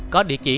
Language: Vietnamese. có địa chỉ